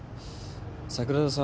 桜田さん